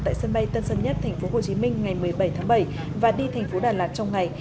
tại sân bay tân sơn nhất tp hcm ngày một mươi bảy tháng bảy và đi thành phố đà lạt trong ngày